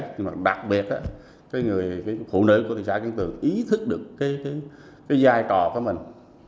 nhưng mà đặc biệt là người phụ nữ của thị trạng trần tường ý thức được cái giai trò của mình